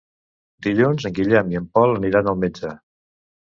Dilluns en Guillem i en Pol aniran al metge.